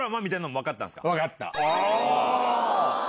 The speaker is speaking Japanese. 分かった。